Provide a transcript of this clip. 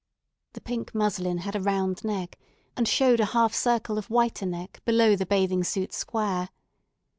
The pink muslin had a round neck, and showed a half circle of whiter neck below the bathing suit square.